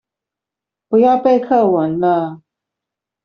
不要背課文了